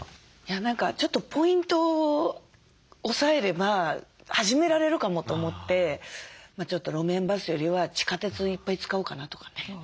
何かちょっとポイントを押さえれば始められるかもと思ってちょっと路面バスよりは地下鉄いっぱい使おうかなとかね。